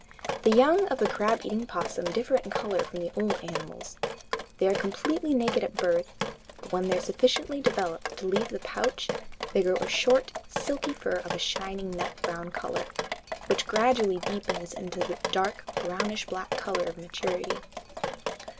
The young of the crab eating opossum differ in color from the old animals. They are completely naked at birth, but when they are sufficiently developed to leave the pouch, they grow a short, silky fur of a shining nut brown color, which gradually deepens into the dark brownish black color of maturity.